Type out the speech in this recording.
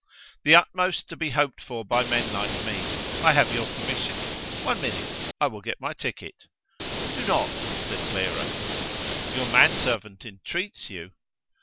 "The utmost to be hoped for by men like me! I have your permission? one minute I will get my ticket." "Do not," said Clara. "Your man servant entreats you!"